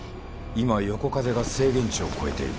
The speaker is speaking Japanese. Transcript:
今横風が制限値を超えている。